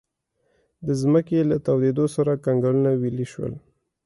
د ځمکې له تودېدو سره کنګلونه ویلې شول.